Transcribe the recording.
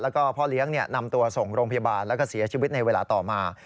แล้วก็พ่อเลี้ยงนำตัวส่งโรงพยาบาลแล้วก็เสียชีวิตในเวลาต่อมา